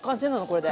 これで。